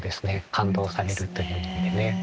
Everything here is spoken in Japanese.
勘当されるという意味でね。